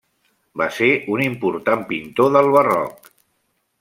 Va ser un important pintor del barroc.